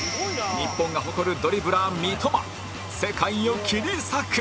日本が誇るドリブラー三笘世界を切り裂く！